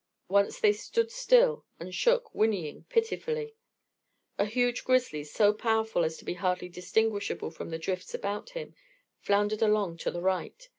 Once they stood still and shook, whinnying pitifully. A huge grizzly, so powdered as to be hardly distinguishable from the drifts about him, floundered along to the right.